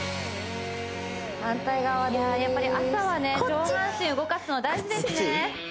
やっぱり朝はね上半身動かすの大事ですね